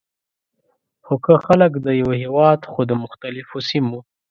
خو که خلک د یوه هیواد خو د مختلفو سیمو،